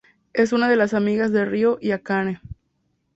Es una de la amigas de Ryo y Akane.